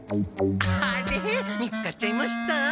見つかっちゃいました？